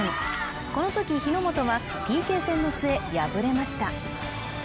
このとき、日ノ本はＰＫ戦の末敗れました。